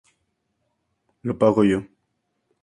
Lo pago yo.